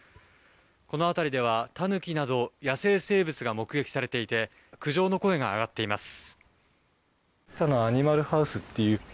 この辺りでは、タヌキなど野生生物が目撃されていて苦情の声が上がっています。